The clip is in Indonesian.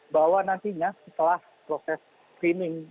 bahwa nantinya setelah proses screening